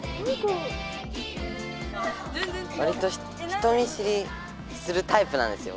わりと人見知りするタイプなんですよ。